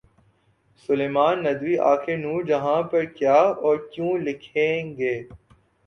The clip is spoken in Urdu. سلیمان ندوی آخر نورجہاں پر کیا اور کیوں لکھیں گے؟